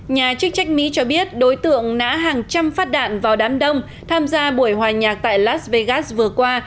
nhà chức trách mỹ cho biết đối tượng đã hàng trăm phát đạn vào đám đông tham gia buổi hòa nhạc tại las vegas vừa qua